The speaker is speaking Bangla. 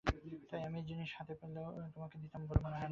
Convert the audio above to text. তাই আমি এ জিনিস হাতে পেলেও তোমাকে দিতাম বলে মনে হয় না।